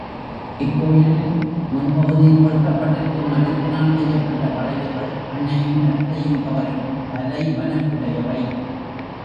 இக் கோயிலின் முன் பகுதியில் பொருத்தப்பட்டிருக்கும் மரத்தினால் செய்யப்பட்ட வளைவுகள் கண்ணையும் கருத்தையும் கவரும் கலைவனப்புடையவை.